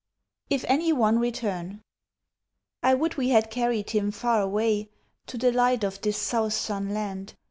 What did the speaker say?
"IF ANY ONE RETURN" I would we had carried him far away To the light of this south sun land.